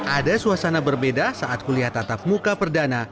ada suasana berbeda saat kuliah tatap muka perdana